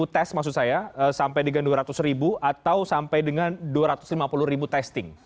satu ratus tujuh puluh lima tes maksud saya sampai dengan dua ratus atau sampai dengan dua ratus lima puluh testing